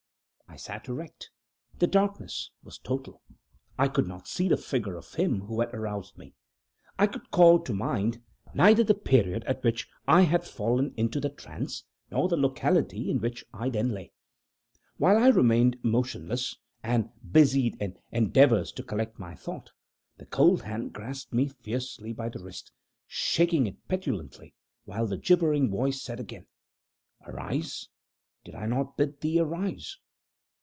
I sat erect. The darkness was total. I could not see the figure of him who had aroused me. I could call to mind neither the period at which I had fallen into the trance, nor the locality in which I then lay. While I remained motionless, and busied in endeavors to collect my thought, the cold hand grasped me fiercely by the wrist, shaking it petulantly, while the gibbering voice said again: "Arise! did I not bid thee arise?"